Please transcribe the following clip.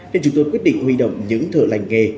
nên chúng tôi quyết định huy động những thợ lành nghề